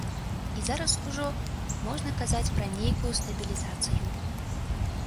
І зараз ужо можна казаць пра нейкую стабілізацыю.